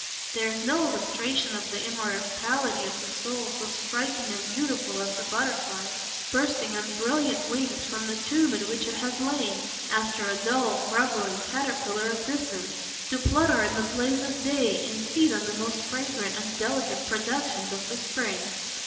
There is no illustration of the immortality of the soul so striking and beautiful as the butterfly, bursting on brilliant wings from the tomb in which it has lain, after a dull, grovelling, caterpillar existence, to flutter in the blaze of day and feed on the most fragrant and delicate productions of the spring.